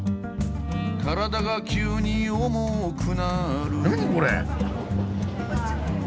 「カラダが急に重くなる」